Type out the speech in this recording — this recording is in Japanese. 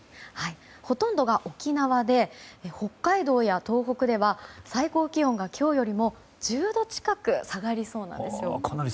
ほとんどが沖縄で北海道や東北では最高気温が今日よりも１０度近く下がりそうなんです。